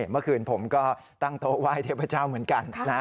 เมื่อคืนผมก็ตั้งโต๊ะไหว้เทพเจ้าเหมือนกัน